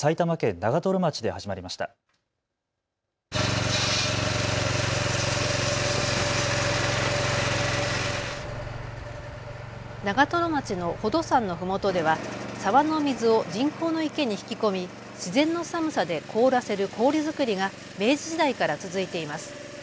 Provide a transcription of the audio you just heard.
長瀞町の宝登山のふもとでは沢の水を人工の池に引き込み自然の寒さで凍らせる氷作りが明治時代から続いています。